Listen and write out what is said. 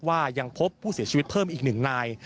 ยังพบผู้เสียชีวิตเพิ่มอีก๑นาย